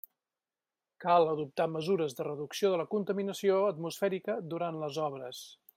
Cal adoptar mesures de reducció de la contaminació atmosfèrica durant les obres.